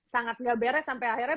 sangat gak beres sampai akhirnya